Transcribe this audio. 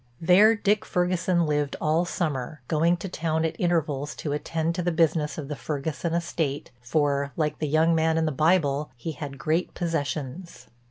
There Dick Ferguson lived all summer, going to town at intervals to attend to the business of the Ferguson estate, for, like the young man in the Bible, he had great possessions.